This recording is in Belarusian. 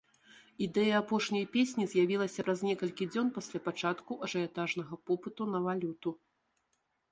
Ідэя апошняй песні з'явілася праз некалькі дзён пасля пачатку ажыятажнага попыту на валюту.